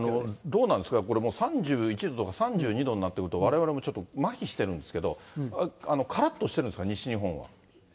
どうなんですか、これもう３１度とか３２度になってくると、われわれもちょっとまひしてるんですけど、からっとしてるんですか、西日本は。